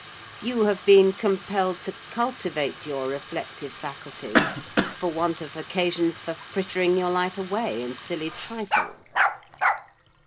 You have been compelled to cultivate your reflective faculties for want of occasions for frittering your life away in silly trifles."